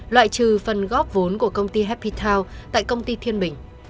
loại trừ phần góp vốn của công ty happy town tại công ty thiên bình